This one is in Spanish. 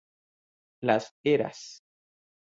Las Heras.